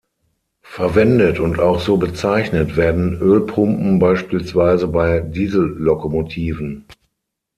Verwendet und auch so bezeichnet werden Ölpumpen beispielsweise bei Diesellokomotiven.